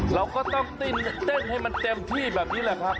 เราก็ต้องเต้นให้มันเต็มที่แบบนี้แหละครับ